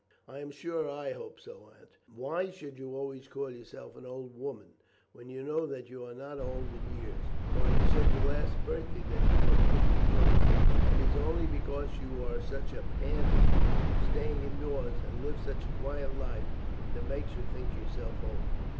"I am sure I hope so, Aunt. Why should you always call yourself an old woman? when you know that you are not old in years. Why, you said last birthday that you were fifty nine, and it is only because you are such a hand at staying indoors, and live such a quiet life, that it makes you think yourself old.